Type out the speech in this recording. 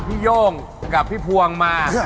โย่งกับพี่พวงมา